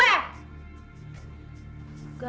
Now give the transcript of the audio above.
iya mau perang sama gue